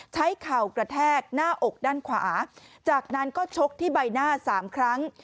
เข่ากระแทกหน้าอกด้านขวาจากนั้นก็ชกที่ใบหน้า๓ครั้ง